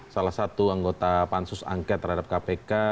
salah satu anggota pansus angket terhadap kpk